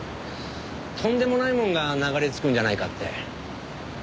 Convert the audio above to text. とんでもないもんが流れ着くんじゃないかって。